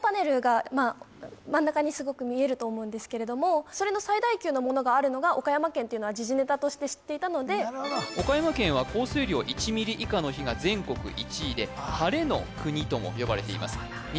真ん中にすごく見えると思うんですけれどもそれの最大級のものがあるのが岡山県っていうのは時事ネタとして知っていたのでなるほど岡山県は降水量１ｍｍ以下の日が全国１位で「晴れの国」とも呼ばれていますそうなんだ